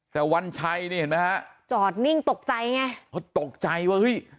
แต่วันชัยนี่เห็นไหมฮะจอดนิ่งตกใจไงเพราะตกใจว่าเฮ้ย